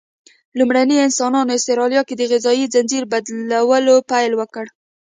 لومړني انسانان استرالیا کې د غذایي ځنځیر بدلولو پیل وکړ.